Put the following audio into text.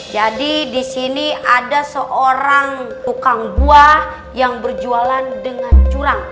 jadi di sini ada seorang tukang buah yang berjualan dengan curang